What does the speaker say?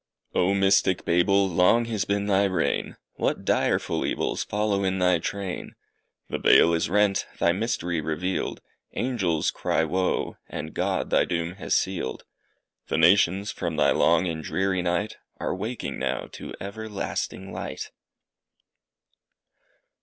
Oh Mystic Babel, long has been thy reign! What direful evils follow in thy train! The veil is rent thy mystery revealed, Angels cry wo! and God thy doom has sealed. The nations, from thy long and dreary night, Are waking now to everlasting light.